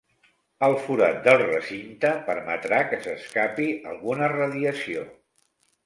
El forat del recinte permetrà que s'escapi alguna radiació.